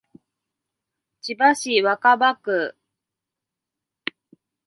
千葉市若葉区